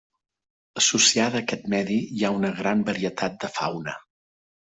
Associada a aquest medi hi ha una gran varietat de fauna.